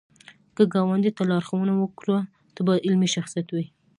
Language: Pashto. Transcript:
که ګاونډي ته لارښوونه وکړه، ته به علمي شخصیت وې